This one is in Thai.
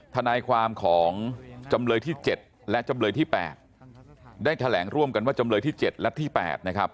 ทนายความของจำเลยที่๗และจำเลยที่๘ได้แถลงร่วมกันว่าจำเลยที่๗และที่๘นะครับ